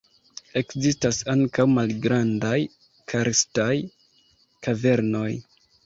Ekzistas ankaŭ malgrandaj karstaj kavernoj.